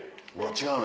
違うの？